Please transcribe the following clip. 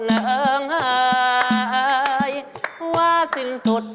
นั้นไงว่าสินสุด